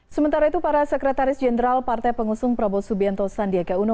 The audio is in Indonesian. sementara itu para sekretaris jenderal partai pengusung prabowo subianto sandiaga uno